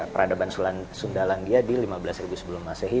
peradaban sundalandia di lima belas ribu sebelum masehi